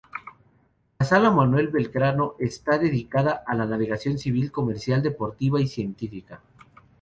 La sala Manuel Belgrano está dedicada a la navegación civil, comercial, deportiva y científica.